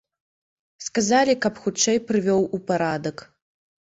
Сказалі, каб хутчэй прывёў у парадак.